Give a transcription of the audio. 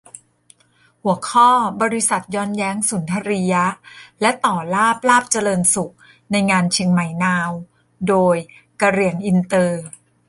หัวข้อ : บริษัทย้อนแยงสุนทรียะ และ ต่อลาภ ลาภเจริญสุข ในงานเชียงใหม่นาว ! - โดย : กะเหรี่ยงอินเตอร์